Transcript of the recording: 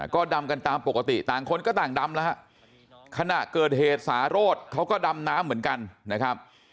ก็ดำกันตามปกติต่างคนก็ต่างดำแล้วฮะขณะเกิดเหตุสาโรธเขาก็ดำน้ำเหมือนกันนะครับ